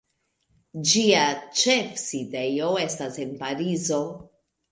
Ĝia ĉefsidejo estas en Parizo.